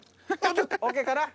ＯＫかな？